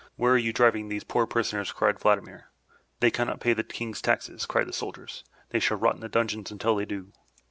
"Where are you driving these poor prisoners?" cried Vladimir. "They cannot pay the King's taxes," cried the soldiers. "They shall rot in dungeons until they do!"